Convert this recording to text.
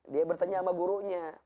dia bertanya sama gurunya